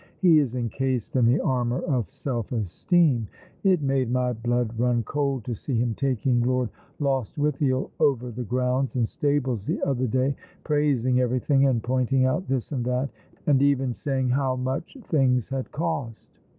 He is encased in the armour of self esteem. It made my blood " Oh Moment One and Infinite /" 39 run cold to see liim taking Lord Lostwithiel over the grounds and stables tlie other day — praising everything, and pointing out this and that, — and even saying how much things had cost